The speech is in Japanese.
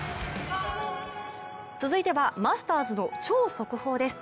続いては、マスターズの超速報です